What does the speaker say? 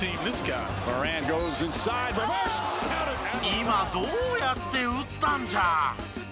今どうやって打ったんじゃ？